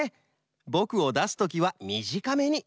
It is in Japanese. ぼくをだすときはみじかめに！